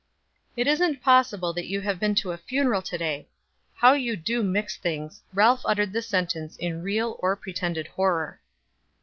"It isn't possible that you have been to a funeral to day! How you do mix things." Ralph uttered this sentence in real or pretended horror.